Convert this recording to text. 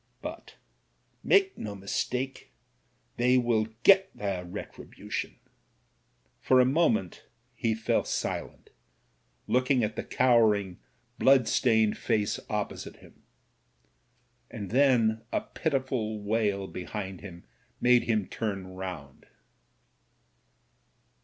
But — ^make no mistake — ^they will get their retribu tion." For a moment he fell silent, looking at the cower RETRIBUTION i8i ing, blood stained face opposite him, and then a piti ful wail behind him made him turn round.